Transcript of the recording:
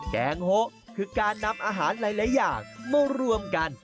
แกงโฮคือการนำอาหารหลายอย่างมารวมกัน